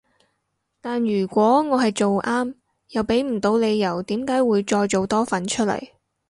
但如果我係做啱又畀唔到理由點解會再做多份出嚟